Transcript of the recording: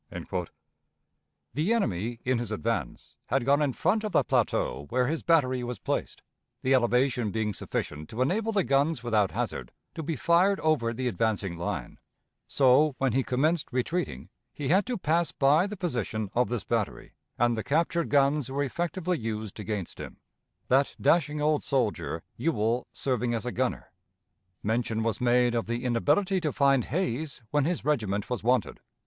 The enemy, in his advance, had gone in front of the plateau where his battery was placed, the elevation being sufficient to enable the guns without hazard to be fired over the advancing line; so, when he commenced retreating, he had to pass by the position of this battery, and the captured guns were effectively used against him that dashing old soldier, "Ewell, serving as a gunner." Mention was made of the inability to find Hayes when his regiment was wanted.